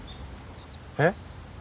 えっ？